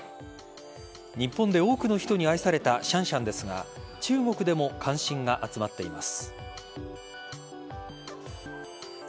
日本で多くの人に愛されたシャンシャンですが中国でも関心が集まっています。